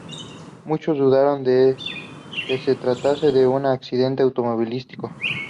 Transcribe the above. Muchos dudaron de que se tratase de un accidente automovilístico.